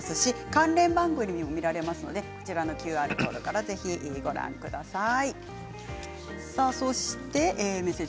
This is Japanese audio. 関連番組も見られますのでＱＲコードからぜひご覧ください。